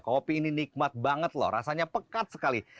kopi ini nikmat banget loh rasanya pekat sekali